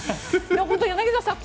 柳澤さん